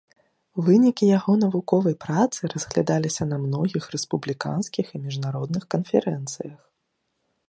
Вынікі яго навуковай працы разглядаліся на многіх рэспубліканскіх і міжнародных канферэнцыях.